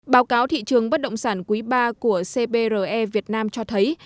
báo cáo thị trường bất động sản quý ba của cpre việt nam cho thấy